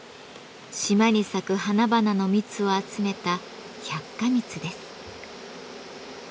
島に咲く花々の蜜を集めた「百花蜜」です。